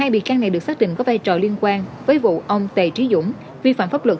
một mươi hai bị can này được xác định có vai trò liên quan với vụ ông tế trí dũng vi phạm pháp luật